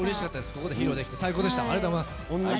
ここで披露できて最高でした。